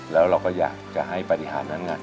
แล้วเราก็อยากจะให้ปฏิหารนั้น